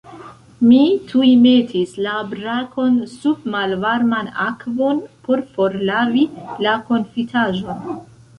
Mi tuj metis la brakon sub malvarman akvon por forlavi la konfitaĵon.